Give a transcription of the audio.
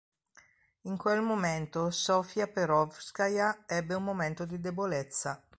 In quel momento Sof'ja Perovskaja ebbe un momento di debolezza.